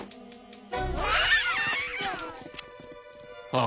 ああ。